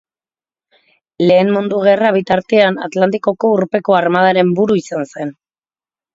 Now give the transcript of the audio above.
Lehen Mundu Gerra bitartean Atlantikoko urpeko armadaren buru izan zen.